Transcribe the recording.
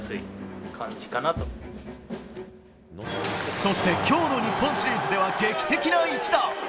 そして、今日の日本シリーズでは劇的な一打。